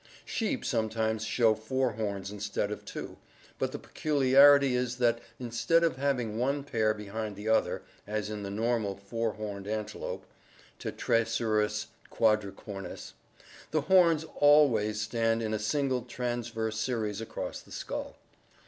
Sheep sometimes show four horns instead of two, but the peculiarity is that instead of having one pair behind the other as in the normal four horned antelope (Tetracerus quadricornis) the horns always stand in a single transverse series across the skull.